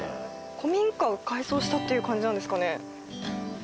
古民家を改装したっていう感じなんですかね